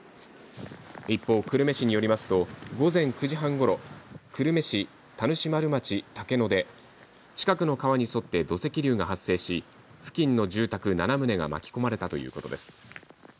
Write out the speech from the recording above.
一方、久留米市によりますと午前９時半ごろ久留米市田主丸町竹野で近くの川に沿って土石流が発生し付近の住宅７棟が巻き込まれたということです。